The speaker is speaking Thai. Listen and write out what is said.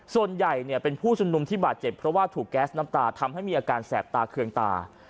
ส่วนใหญ่เป็นผู้ชุมนุมที่บาดเจ็บเพราะว่าถูกแก๊สน้ำตาทำให้มีอาการแสบตาเคืองตา